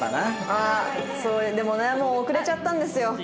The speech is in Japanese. ああそうでもねもう遅れちゃったんですよ。